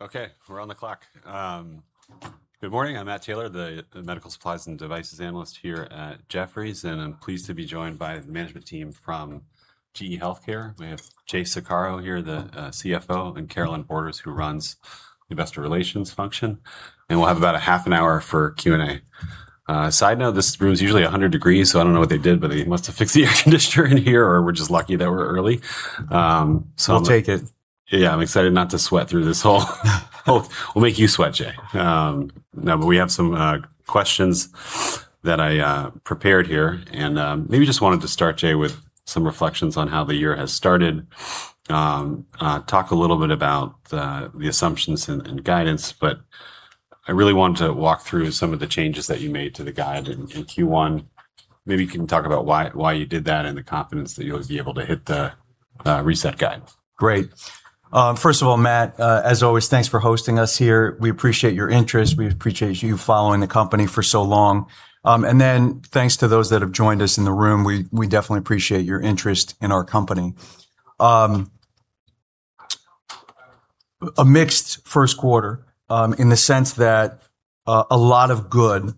Okay, we're on the clock. Good morning. I'm Matthew Taylor, the medical supplies and devices analyst here at Jefferies, and I'm pleased to be joined by the management team from GE HealthCare. We have James Saccaro here, the CFO, and Carolynne Borders, who runs the investor relations function. We'll have about a half an hour for Q&A. Side note, this room is usually 100 degrees, so I don't know what they did, but they must have fixed the air conditioner in here, or we're just lucky that we're early. We'll take it. Yeah, I'm excited not to sweat. We'll make you sweat, Jay. We have some questions that I prepared here, and maybe just wanted to start, Jay, with some reflections on how the year has started. Talk a little bit about the assumptions and guidance, but I really wanted to walk through some of the changes that you made to the guide in Q1. Maybe you can talk about why you did that and the confidence that you'll be able to hit the reset guide. Great. First of all, Matt, as always, thanks for hosting us here. We appreciate your interest. We appreciate you following the company for so long. Thanks to those that have joined us in the room. We definitely appreciate your interest in our company. A mixed first quarter in the sense that a lot of good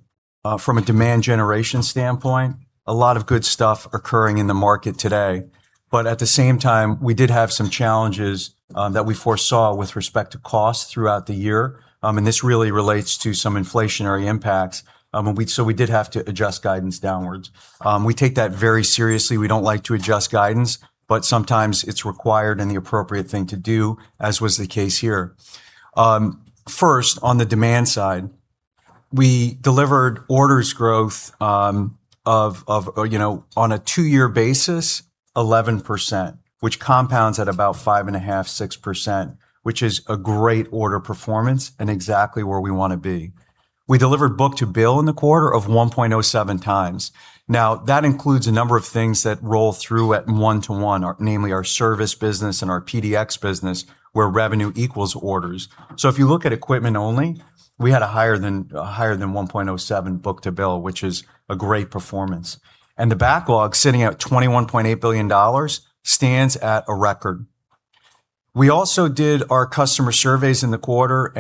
from a demand generation standpoint, a lot of good stuff occurring in the market today. At the same time, we did have some challenges that we foresaw with respect to cost throughout the year. This really relates to some inflationary impacts, we did have to adjust guidance downwards. We take that very seriously. We don't like to adjust guidance, sometimes it's required and the appropriate thing to do, as was the case here. First, on the demand side, we delivered orders growth of, on a two-year basis, 11%, which compounds at about 5.5%, 6%, which is a great order performance and exactly where we want to be. We delivered book-to-bill in the quarter of 1.07x. That includes a number of things that roll through at one to one, namely our service business and our PDx business, where revenue equals orders. If you look at equipment only, we had a higher than 1.07 book-to-bill, which is a great performance. The backlog, sitting at $21.8 billion, stands at a record. We also did our customer surveys in the quarter,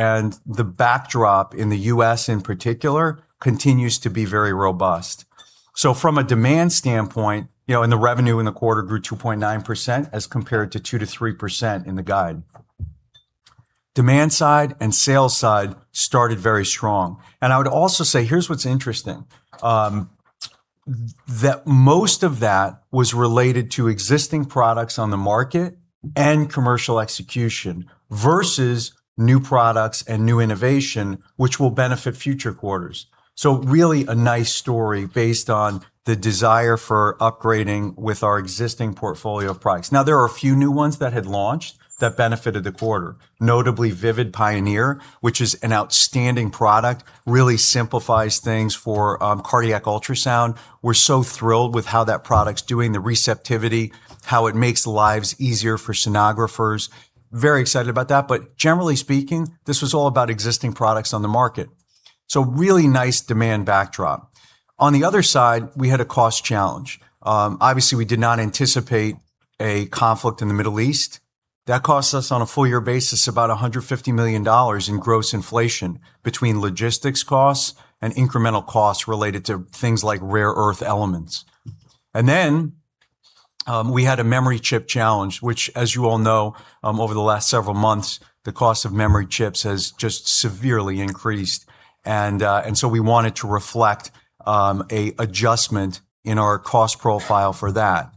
the backdrop in the U.S., in particular, continues to be very robust. From a demand standpoint, the revenue in the quarter grew 2.9% as compared to 2%-3% in the guide. Demand side and sales side started very strong. I would also say, here's what's interesting. Most of that was related to existing products on the market and commercial execution, versus new products and new innovation, which will benefit future quarters. Really a nice story based on the desire for upgrading with our existing portfolio of products. There are a few new ones that had launched that benefited the quarter, notably Vivid Pioneer, which is an outstanding product. Really simplifies things for cardiac ultrasound. We're so thrilled with how that product's doing, the receptivity, how it makes lives easier for sonographers. Very excited about that. Generally speaking, this was all about existing products on the market. Really nice demand backdrop. On the other side, we had a cost challenge. Obviously, we did not anticipate a conflict in the Middle East. That cost us, on a full year basis, about $150 million in gross inflation between logistics costs and incremental costs related to things like rare earth elements. Then we had a memory chip challenge, which, as you all know, over the last several months, the cost of memory chips has just severely increased. So we wanted to reflect an adjustment in our cost profile for that.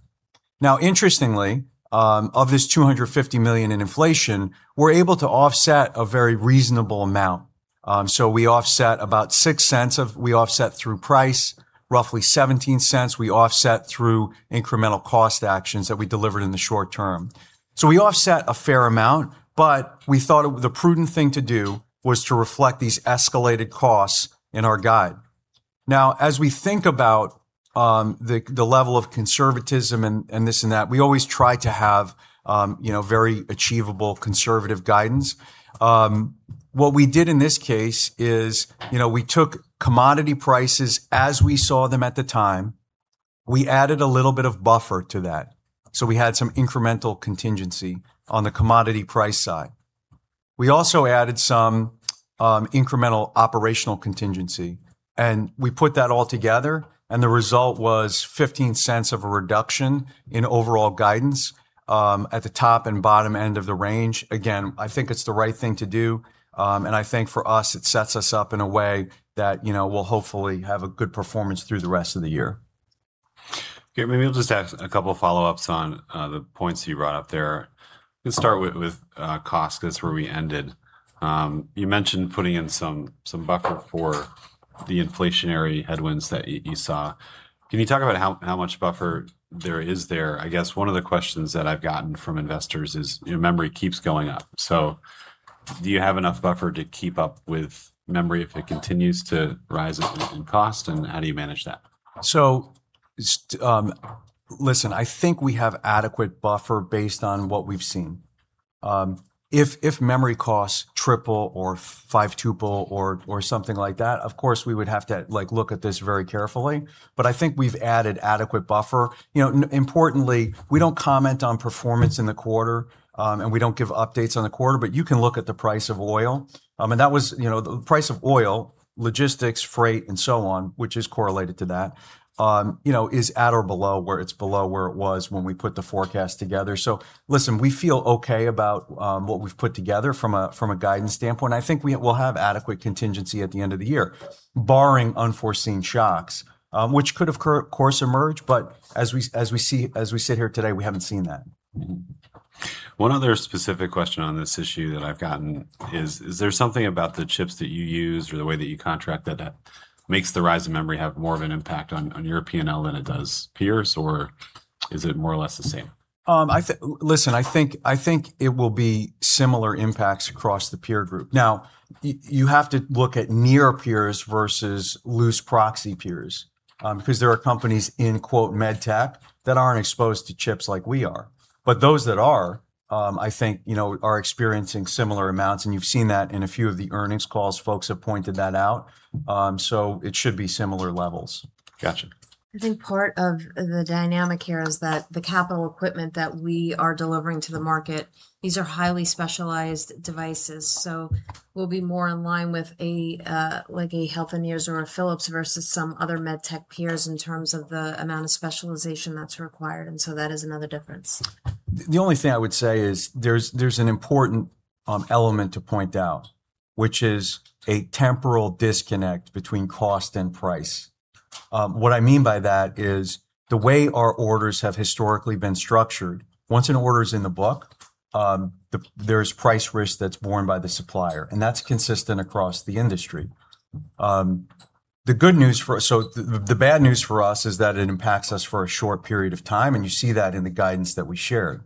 Interestingly, of this $250 million in inflation, we're able to offset a very reasonable amount. We offset about $0.06, we offset through price roughly $0.17, we offset through incremental cost actions that we delivered in the short term. We offset a fair amount, but we thought the prudent thing to do was to reflect these escalated costs in our guide. As we think about the level of conservatism and this and that, we always try to have very achievable conservative guidance. What we did in this case is we took commodity prices as we saw them at the time. We added a little bit of buffer to that, so we had some incremental contingency on the commodity price side. We also added some incremental operational contingency, and we put that all together, and the result was $0.15 of a reduction in overall guidance at the top and bottom end of the range. Again, I think it's the right thing to do. I think for us, it sets us up in a way that we'll hopefully have a good performance through the rest of the year. Okay, maybe I'll just ask a couple follow-ups on the points that you brought up there. Let's start with cost, because that's where we ended. You mentioned putting in some buffer for the inflationary headwinds that you saw. Can you talk about how much buffer there is there? I guess one of the questions that I've gotten from investors is, memory keeps going up. Do you have enough buffer to keep up with memory if it continues to rise in cost, and how do you manage that? Listen, I think we have adequate buffer based on what we've seen. If memory costs triple or five tuple or something like that, of course, we would have to look at this very carefully. I think we've added adequate buffer. Importantly, we don't comment on performance in the quarter, and we don't give updates on the quarter, but you can look at the price of oil. The price of oil, logistics, freight, and so on, which is correlated to that, is at or below where it's below where it was when we put the forecast together. Listen, we feel okay about what we've put together from a guidance standpoint. I think we'll have adequate contingency at the end of the year, barring unforeseen shocks, which could of course emerge. As we sit here today, we haven't seen that. One other specific question on this issue that I've gotten is: Is there something about the chips that you use or the way that you contract that makes the rise in memory have more of an impact on your P&L than it does peers, or is it more or less the same? Listen, I think it will be similar impacts across the peer group. Now, you have to look at near peers versus loose proxy peers, because there are companies in, quote, "med tech" that aren't exposed to chips like we are. Those that are, I think, are experiencing similar amounts, and you've seen that in a few of the earnings calls. Folks have pointed that out. It should be similar levels. Got you. I think part of the dynamic here is that the capital equipment that we are delivering to the market, these are highly specialized devices. We'll be more in line with a Healthineers or a Philips versus some other med tech peers in terms of the amount of specialization that's required, and so that is another difference. The only thing I would say is there's an important element to point out, which is a temporal disconnect between cost and price. What I mean by that is the way our orders have historically been structured, once an order is in the book, there's price risk that's borne by the supplier, and that's consistent across the industry. The bad news for us is that it impacts us for a short period of time, and you see that in the guidance that we shared.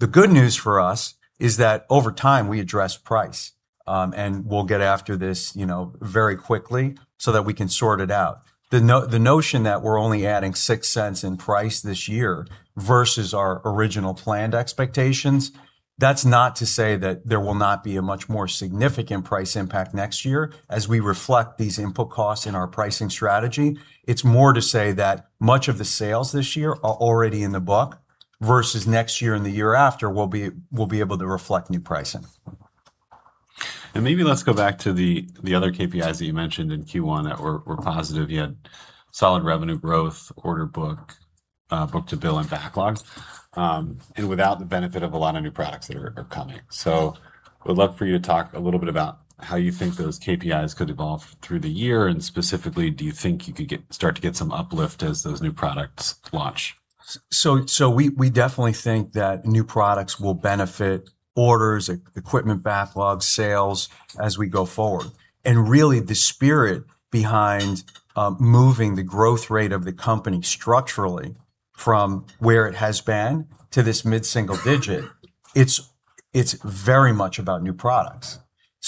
The good news for us is that, over time, we address price, and we'll get after this very quickly so that we can sort it out. The notion that we're only adding $0.06 in price this year versus our original planned expectations, that's not to say that there will not be a much more significant price impact next year as we reflect these input costs in our pricing strategy. It's more to say that much of the sales this year are already in the book, versus next year and the year after we'll be able to reflect new pricing. Maybe let's go back to the other KPIs that you mentioned in Q1 that were positive. You had solid revenue growth, order book-to-bill, and backlogs, and without the benefit of a lot of new products that are coming. Would love for you to talk a little bit about how you think those KPIs could evolve through the year, and specifically, do you think you could start to get some uplift as those new products launch? We definitely think that new products will benefit orders, equipment backlogs, sales as we go forward. Really the spirit behind moving the growth rate of the company structurally from where it has been to this mid-single digit, it's very much about new products.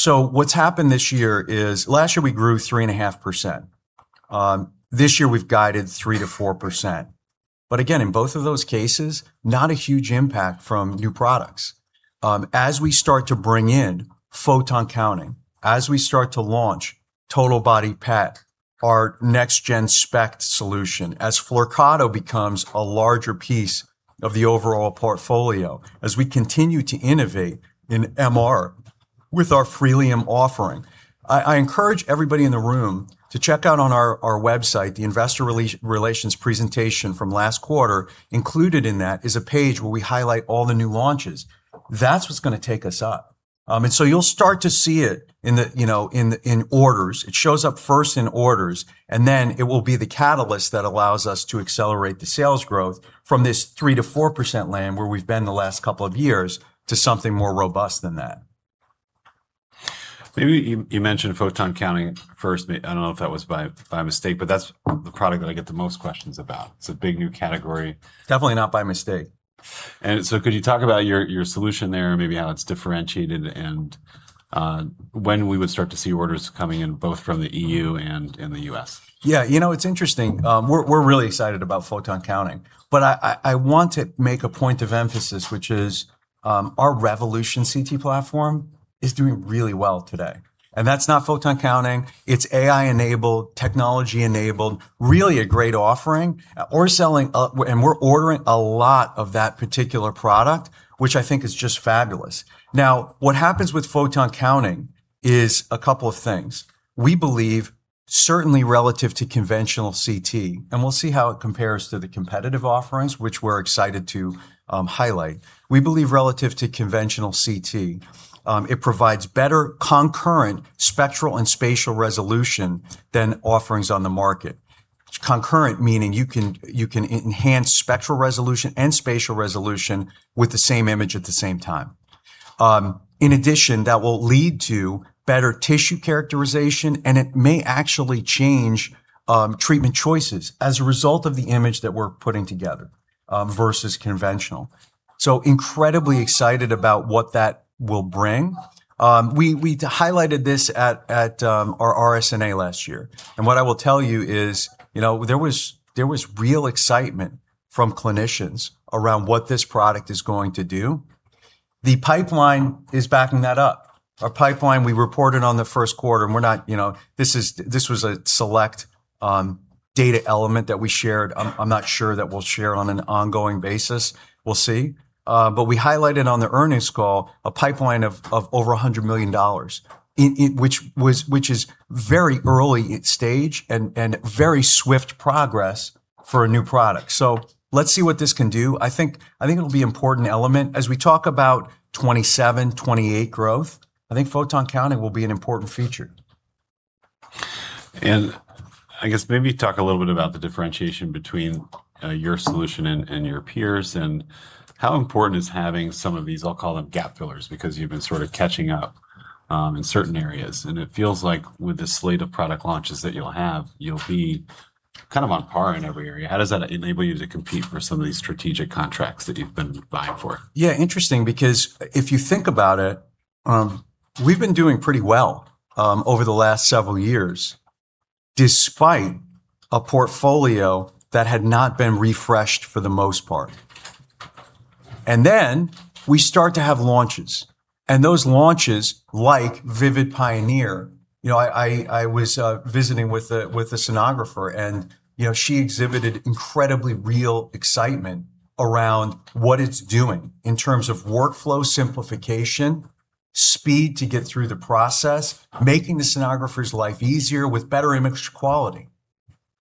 What's happened this year is last year we grew 3.5%. This year we've guided 3%-4%. Again, in both of those cases, not a huge impact from new products. As we start to bring in photon counting, as we start to launch Total Body PET, our next gen SPECT solution, as Flyrcado becomes a larger piece of the overall portfolio, as we continue to innovate in MR with our Freelium offering, I encourage everybody in the room to check out on our website the investor relations presentation from last quarter. Included in that is a page where we highlight all the new launches. That's what's going to take us up. You'll start to see it in orders. It shows up first in orders, and then it will be the catalyst that allows us to accelerate the sales growth from this 3%-4% lane where we've been the last couple of years to something more robust than that. You mentioned photon counting first. I don't know if that was by mistake, but that's the product that I get the most questions about. It's a big new category. Definitely not by mistake. Could you talk about your solution there, and maybe how it's differentiated and when we would start to see orders coming in, both from the EU and in the U.S.? It's interesting. We're really excited about photon counting, but I want to make a point of emphasis, which is our Revolution CT platform is doing really well today, and that's not photon counting. It's AI-enabled, technology-enabled, really a great offering, and we're ordering a lot of that particular product, which I think is just fabulous. What happens with photon counting is a couple of things. We believe, certainly relative to conventional CT, and we'll see how it compares to the competitive offerings, which we're excited to highlight. We believe relative to conventional CT, it provides better concurrent spectral and spatial resolution than offerings on the market. Concurrent meaning you can enhance spectral resolution and spatial resolution with the same image at the same time. In addition, that will lead to better tissue characterization, and it may actually change treatment choices as a result of the image that we're putting together versus conventional. Incredibly excited about what that will bring. We highlighted this at our RSNA last year, and what I will tell you is there was real excitement from clinicians around what this product is going to do. The pipeline is backing that up. Our pipeline, we reported on the first quarter, this was a select data element that we shared. I'm not sure that we'll share it on an ongoing basis. We'll see. We highlighted on the earnings call a pipeline of over $100 million, which is very early stage and very swift progress for a new product. Let's see what this can do. I think it'll be an important element. As we talk about 2027, 2028 growth, I think photon counting will be an important feature. I guess maybe talk a little bit about the differentiation between your solution and your peers, and how important is having some of these, I'll call them gap fillers, because you've been sort of catching up in certain areas. It feels like with the slate of product launches that you'll have, you'll be kind of on par in every area. How does that enable you to compete for some of these strategic contracts that you've been vying for? Yeah, interesting, because if you think about it, we've been doing pretty well over the last several years, despite a portfolio that had not been refreshed for the most part. We start to have launches, and those launches, like Vivid Pioneer. I was visiting with a sonographer and she exhibited incredibly real excitement around what it's doing in terms of workflow simplification, speed to get through the process, making the sonographer's life easier with better image quality.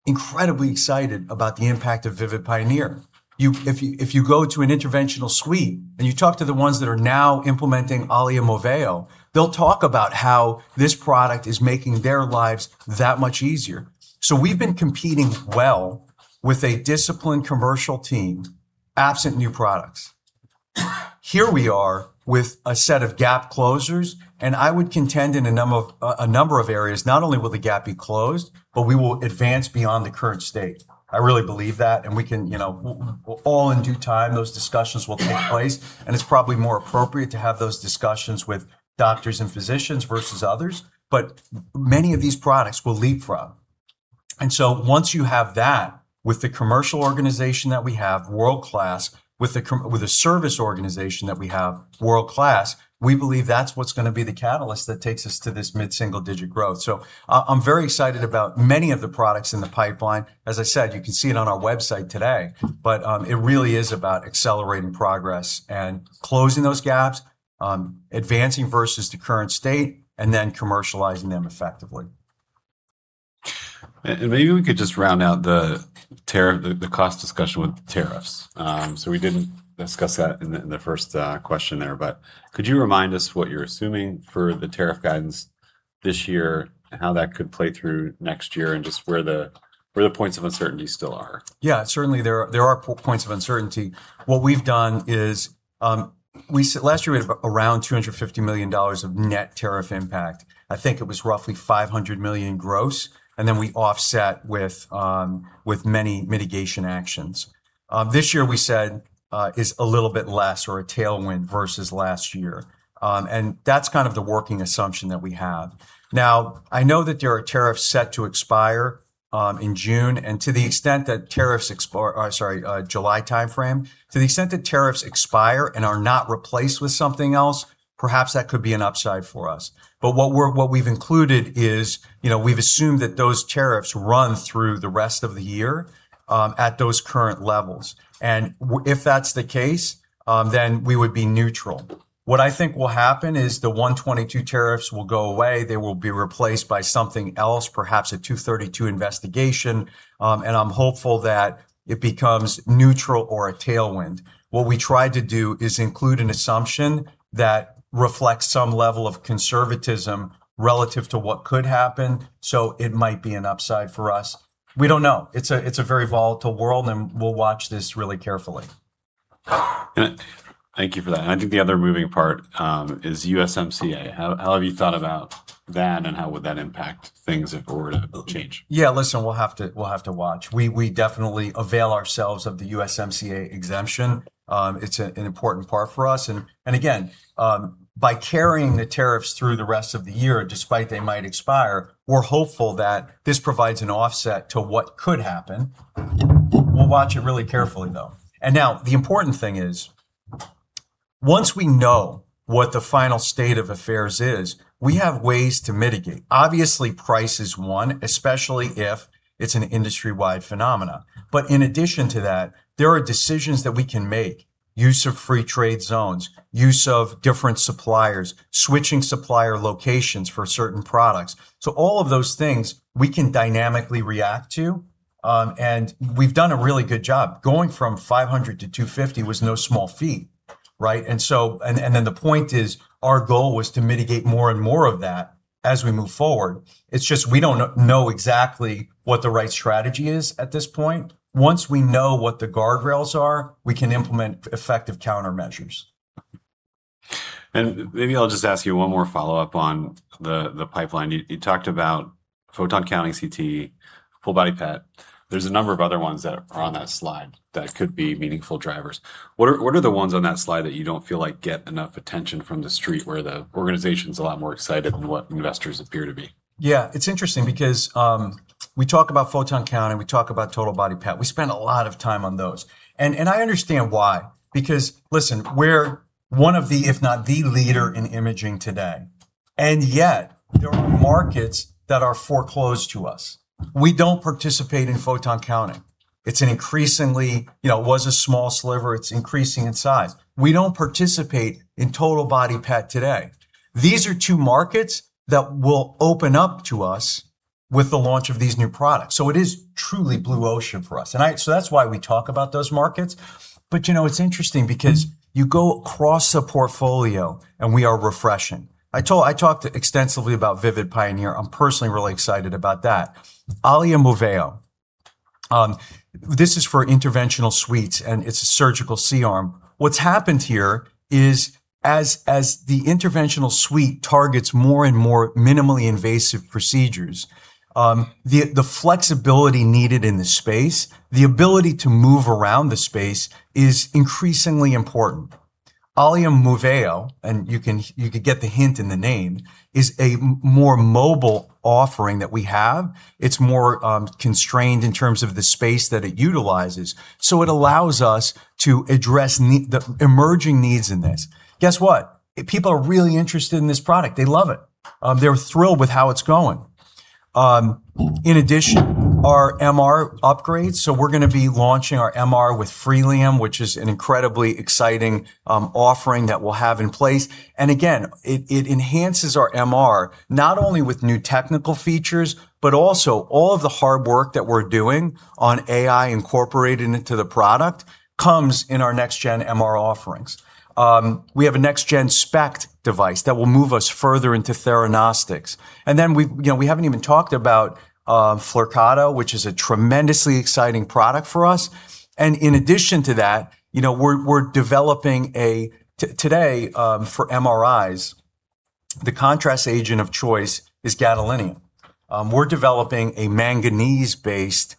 Incredibly excited about the impact of Vivid Pioneer. If you go to an interventional suite and you talk to the ones that are now implementing Allia Moveo, they'll talk about how this product is making their lives that much easier. We've been competing well with a disciplined commercial team, absent new products. Here we are with a set of gap closers, and I would contend in a number of areas, not only will the gap be closed, but we will advance beyond the current state. I really believe that, and all in due time, those discussions will take place, and it's probably more appropriate to have those discussions with doctors and physicians versus others. Many of these products we'll leapfrog. Once you have that with the commercial organization that we have, world-class, with a service organization that we have, world-class, we believe that's what's going to be the catalyst that takes us to this mid-single-digit growth. I'm very excited about many of the products in the pipeline. As I said, you can see it on our website today, but it really is about accelerating progress and closing those gaps, advancing versus the current state, and then commercializing them effectively. Maybe we could just round out the cost discussion with the tariffs. We didn't discuss that in the first question there, but could you remind us what you're assuming for the tariff guidance this year and how that could play through next year and just where the points of uncertainty still are? Yeah, certainly there are points of uncertainty. What we've done is, last year we had around $250 million of net tariff impact. I think it was roughly $500 million gross, and then we offset with many mitigation actions. This year we said is a little bit less or a tailwind versus last year, and that's kind of the working assumption that we have. Now, I know that there are tariffs set to expire in June, sorry, July timeframe. To the extent that tariffs expire and are not replaced with something else, perhaps that could be an upside for us. What we've included is, we've assumed that those tariffs run through the rest of the year at those current levels. If that's the case, then we would be neutral. What I think will happen is the 122 tariffs will go away. They will be replaced by something else, perhaps a 232 Investigation, and I'm hopeful that it becomes neutral or a tailwind. What we tried to do is include an assumption that reflects some level of conservatism relative to what could happen, so it might be an upside for us. We don't know. It's a very volatile world, and we'll watch this really carefully. Thank you for that. I think the other moving part is USMCA. How have you thought about that and how would that impact things if it were to change? Yeah, listen, we'll have to watch. We definitely avail ourselves of the USMCA exemption. It's an important part for us, and again, by carrying the tariffs through the rest of the year, despite they might expire, we're hopeful that this provides an offset to what could happen. We'll watch it really carefully, though. Now the important thing is, once we know what the final state of affairs is, we have ways to mitigate. Obviously, price is one, especially if it's an industry-wide phenomenon. In addition to that, there are decisions that we can make. Use of free trade zones, use of different suppliers, switching supplier locations for certain products. All of those things we can dynamically react to, and we've done a really good job. Going from 500-250 was no small feat, right? The point is, our goal was to mitigate more and more of that as we move forward. It's just we don't know exactly what the right strategy is at this point. Once we know what the guardrails are, we can implement effective countermeasures. Maybe I'll just ask you one more follow-up on the pipeline. You talked about photon counting CT, Total Body PET. There's a number of other ones that are on that slide that could be meaningful drivers. What are the ones on that slide that you don't feel like get enough attention from the Street, where the organization's a lot more excited than what investors appear to be? Yeah. It's interesting because we talk about photon counting, we talk about Total Body PET. We spend a lot of time on those, and I understand why, because listen, we're one of the, if not the leader in imaging today, and yet there are markets that are foreclosed to us. We don't participate in photon counting. It was a small sliver, it's increasing in size. We don't participate in Total Body PET today. These are two markets that will open up to us with the launch of these new products. It is truly blue ocean for us, and so that's why we talk about those markets. It's interesting because you go across the portfolio and we are refreshing. I talked extensively about Vivid Pioneer. I'm personally really excited about that. Allia Moveo. This is for interventional suites, and it's a surgical C-arm. What's happened here is as the interventional suite targets more and more minimally invasive procedures, the flexibility needed in the space, the ability to move around the space is increasingly important. Allia Moveo, and you could get the hint in the name, is a more mobile offering that we have. It's more constrained in terms of the space that it utilizes, so it allows us to address the emerging needs in this. Guess what? People are really interested in this product. They love it. They're thrilled with how it's going. In addition, our MR upgrades, so we're going to be launching our MR with Freelium, which is an incredibly exciting offering that we'll have in place. Again, it enhances our MR, not only with new technical features, but also all of the hard work that we're doing on AI incorporated into the product comes in our next-gen MR offerings. We have a next-gen SPECT device that will move us further into theranostics. Then we haven't even talked about Flyrcado, which is a tremendously exciting product for us. In addition to that, we're developing Today, for MRIs, the contrast agent of choice is gadolinium. We're developing a manganese-based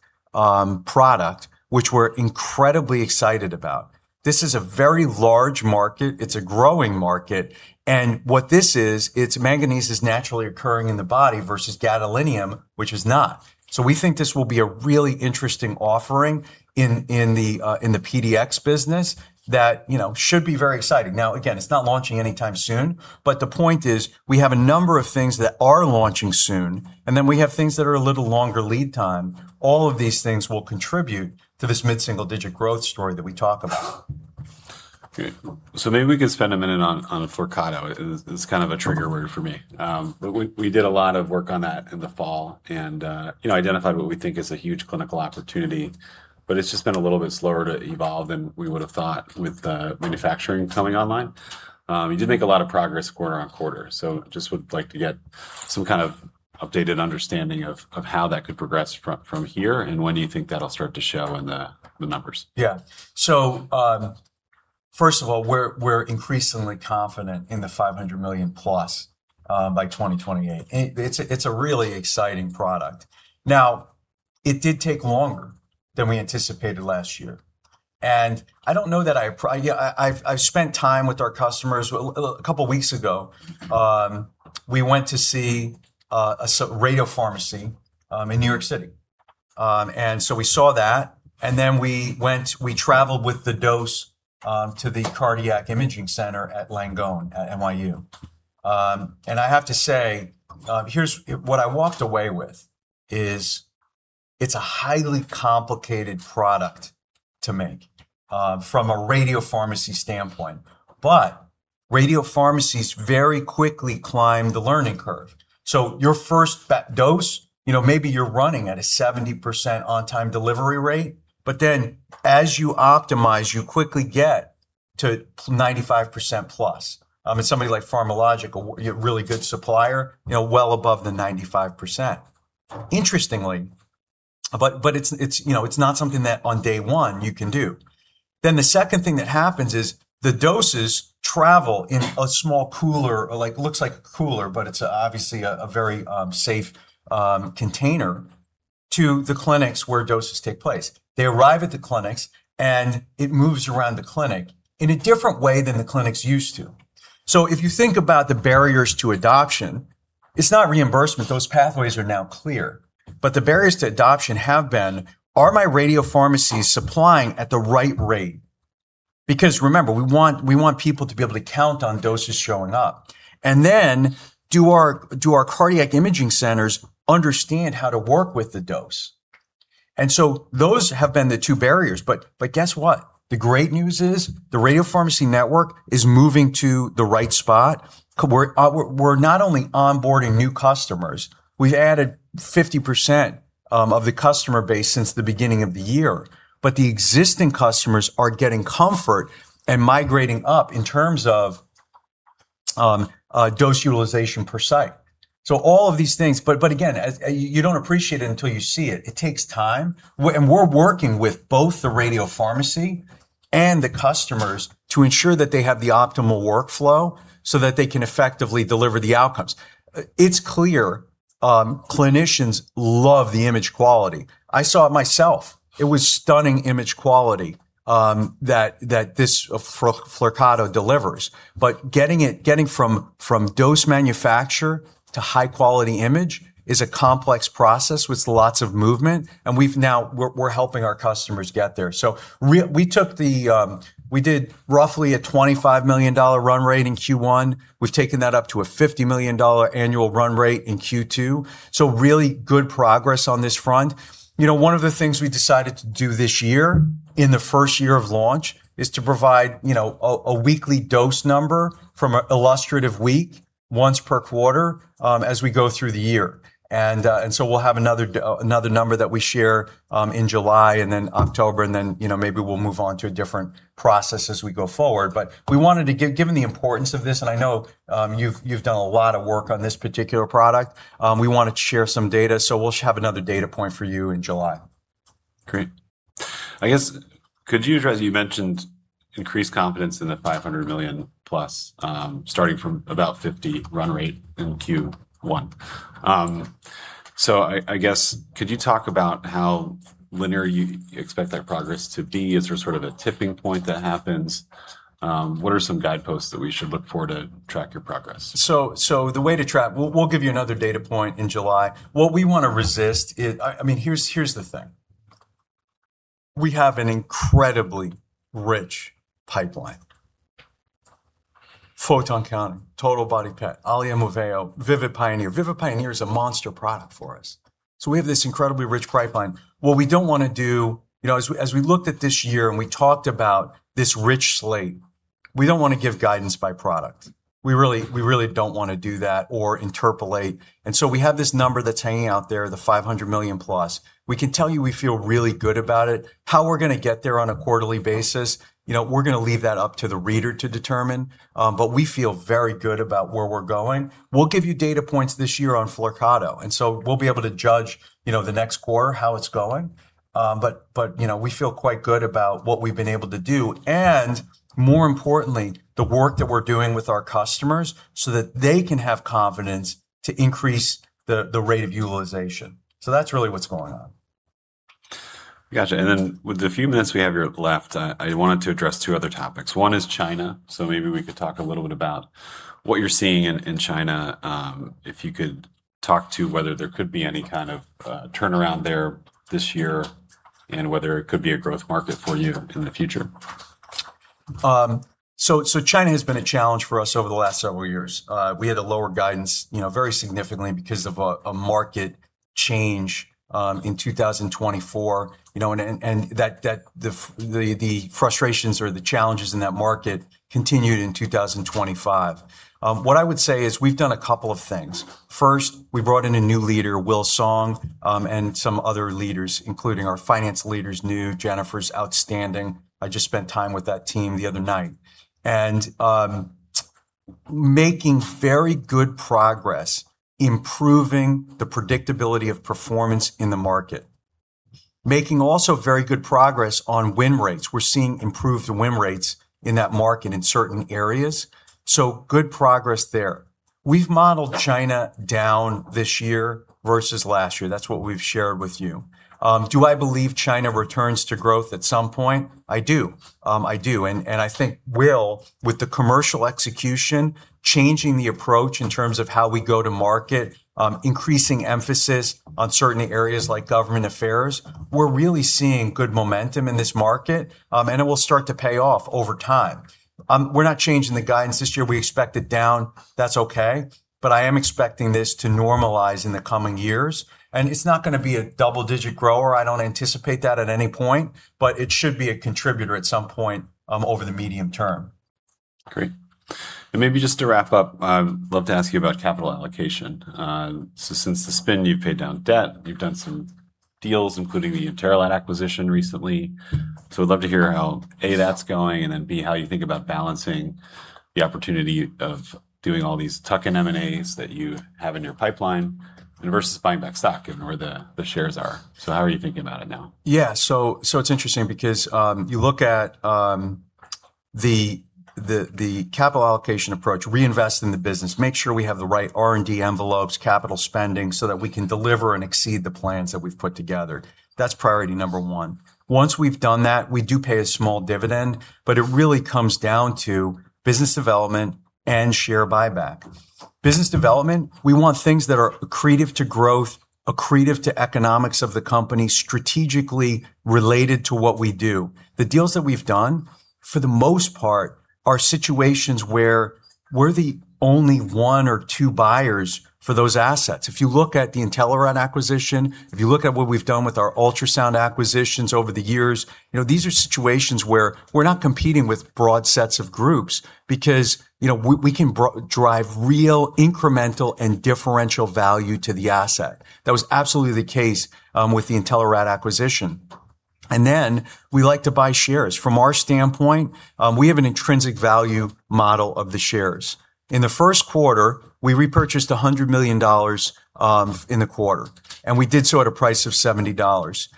product, which we're incredibly excited about. This is a very large market. It's a growing market, and what this is, it's manganese is naturally occurring in the body versus gadolinium, which is not. We think this will be a really interesting offering in the PDx business that should be very exciting. Now, again, it's not launching anytime soon, but the point is we have a number of things that are launching soon, and then we have things that are a little longer lead time. All of these things will contribute to this mid-single-digit growth story that we talk about. Maybe we could spend a minute on Flyrcado. It's kind of a trigger word for me. We did a lot of work on that in the fall and identified what we think is a huge clinical opportunity, but it's just been a little bit slower to evolve than we would've thought with the manufacturing coming online. You did make a lot of progress quarter-on-quarter, just would like to get some kind of updated understanding of how that could progress from here, and when do you think that'll start to show in the numbers? Yeah. First of all, we're increasingly confident in the $500 million+ by 2028. It's a really exciting product. It did take longer than we anticipated last year, and I've spent time with our customers. A couple of weeks ago, we went to see a radiopharmacy in New York City, and so we saw that, and then we traveled with the dose to the cardiac imaging center at Langone at NYU. I have to say, what I walked away with is it's a highly complicated product to make from a radiopharmacy standpoint. Radiopharmacies very quickly climb the learning curve. Your first dose, maybe you're running at a 70% on-time delivery rate, but then as you optimize, you quickly get to 95%+. Somebody like PharmaLogic, a really good supplier, well above the 95%. Interestingly, it's not something that on day one you can do. The second thing that happens is the doses travel in a small cooler, looks like a cooler, but it's obviously a very safe container, to the clinics where doses take place. They arrive at the clinics, it moves around the clinic in a different way than the clinics used to. If you think about the barriers to adoption, it's not reimbursement. Those pathways are now clear. The barriers to adoption have been, are my radiopharmacies supplying at the right rate? Because remember, we want people to be able to count on doses showing up. Do our cardiac imaging centers understand how to work with the dose? Those have been the two barriers. Guess what. The great news is the radiopharmacy network is moving to the right spot. We're not only onboarding new customers, we've added 50% of the customer base since the beginning of the year, but the existing customers are getting comfort and migrating up in terms of dose utilization per site. All of these things, again, you don't appreciate it until you see it. It takes time. We're working with both the radiopharmacy and the customers to ensure that they have the optimal workflow so that they can effectively deliver the outcomes. It's clear. Clinicians love the image quality. I saw it myself. It was stunning image quality that this Flyrcado delivers. Getting from dose manufacture to high-quality image is a complex process with lots of movement, and we're helping our customers get there. We did roughly a $25 million run rate in Q1. We've taken that up to a $50 million annual run rate in Q2, really good progress on this front. One of the things we decided to do this year in the first year of launch is to provide a weekly dose number from an illustrative week, once per quarter, as we go through the year. We'll have another number that we share in July, October, maybe we'll move on to a different process as we go forward. We wanted to, given the importance of this, I know you've done a lot of work on this particular product, we wanted to share some data, we'll have another data point for you in July. Great. I guess, could you address, you mentioned increased confidence in the $500 million plus, starting from about $50 run rate in Q1. I guess, could you talk about how linear you expect that progress to be? Is there sort of a tipping point that happens? What are some guideposts that we should look for to track your progress? The way to track, we'll give you another data point in July. What we want to resist. Here's the thing. We have an incredibly rich pipeline. Photon Counting, Total Body PET, Allia Moveo, Vivid Pioneer. Vivid Pioneer is a monster product for us. We have this incredibly rich pipeline. What we don't want to do, as we looked at this year, and we talked about this rich slate, we don't want to give guidance by product. We really don't want to do that or interpolate. We have this number that's hanging out there, the $500 million plus. We can tell you we feel really good about it. How we're going to get there on a quarterly basis, we're going to leave that up to the reader to determine, but we feel very good about where we're going. We'll give you data points this year on Flyrcado. We'll be able to judge the next quarter, how it's going. We feel quite good about what we've been able to do, and more importantly, the work that we're doing with our customers so that they can have confidence to increase the rate of utilization. That's really what's going on. Got you. With the few minutes we have here left, I wanted to address two other topics. One is China, so maybe we could talk a little bit about what you're seeing in China. If you could talk to whether there could be any kind of turnaround there this year and whether it could be a growth market for you in the future. China has been a challenge for us over the last several years. We had to lower guidance very significantly because of a market change in 2024, and the frustrations or the challenges in that market continued in 2025. What I would say is we've done a couple of things. First, we brought in a new leader, Will Song, and some other leaders, including our finance leader's new. Jennifer's outstanding. I just spent time with that team the other night. Making very good progress improving the predictability of performance in the market. Making also very good progress on win rates. We're seeing improved win rates in that market in certain areas, so good progress there. We've modeled China down this year versus last year. That's what we've shared with you. Do I believe China returns to growth at some point? I do. I do. I think Will, with the commercial execution, changing the approach in terms of how we go to market, increasing emphasis on certain areas like government affairs, we're really seeing good momentum in this market, and it will start to pay off over time. We're not changing the guidance this year. We expect it down. That's okay, I am expecting this to normalize in the coming years. It's not going to be a double-digit grower. I don't anticipate that at any point, it should be a contributor at some point over the medium term. Great. Maybe just to wrap up, I would love to ask you about capital allocation. Since the spin, you've paid down debt, you've done some deals, including the Intelerad acquisition recently. I'd love to hear how, A, that's going, and then, B, how you think about balancing the opportunity of doing all these tuck-in M&As that you have in your pipeline versus buying back stock given where the shares are. How are you thinking about it now? Yeah. It's interesting because you look at the capital allocation approach, reinvest in the business, make sure we have the right R&D envelopes, capital spending, so that we can deliver and exceed the plans that we've put together. That's priority number one. Once we've done that, we do pay a small dividend, but it really comes down to business development and share buyback. Business development, we want things that are accretive to growth, accretive to economics of the company, strategically related to what we do. The deals that we've done, for the most part, are situations where we're the only one or two buyers for those assets. If you look at the Intelerad acquisition, if you look at what we've done with our ultrasound acquisitions over the years, these are situations where we're not competing with broad sets of groups because we can drive real incremental and differential value to the asset. That was absolutely the case with the Intelerad acquisition. We like to buy shares. From our standpoint, we have an intrinsic value model of the shares. In the first quarter, we repurchased $100 million in the quarter, and we did so at a price of $70.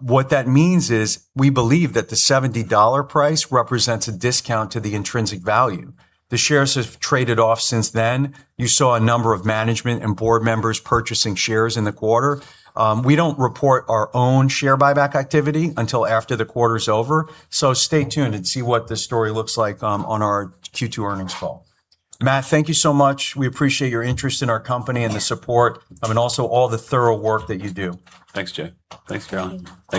What that means is we believe that the $70 price represents a discount to the intrinsic value. The shares have traded off since then. You saw a number of management and board members purchasing shares in the quarter. We don't report our own share buyback activity until after the quarter's over, so stay tuned and see what the story looks like on our Q2 earnings call. Matt, thank you so much. We appreciate your interest in our company and the support, and also all the thorough work that you do. Thanks, James. Thanks, Carolynne.